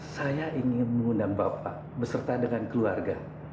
saya ingin mengundang bapak beserta dengan keluarga